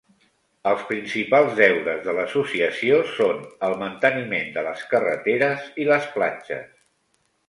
Els principals deures de l'associació són el manteniment de les carreteres i les platges.